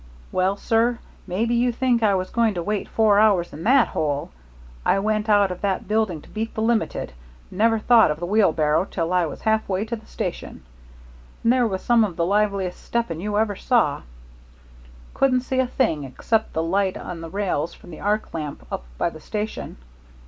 Well, sir, maybe you think I was going to wait four hours in that hole! I went out of that building to beat the limited never thought of the wheelbarrow till I was halfway to the station. And there was some of the liveliest stepping you ever saw. Couldn't see a thing except the light on the rails from the arc lamp up by the station.